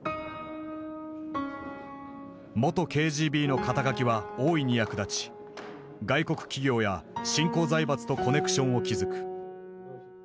元ＫＧＢの肩書は大いに役立ち外国企業や新興財閥とコネクションを築く。